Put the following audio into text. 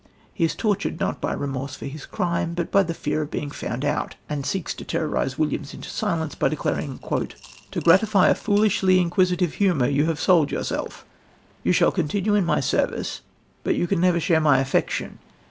He is tortured, not by remorse for his crime, but by the fear of being found out, and seeks to terrorise Williams into silence by declaring: "To gratify a foolishly inquisitive humour you have sold yourself. You shall continue in my service, but can never share my affection.